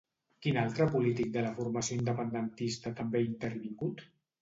Quin altre polític de la formació independentista també ha intervingut?